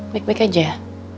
baik baik aja ya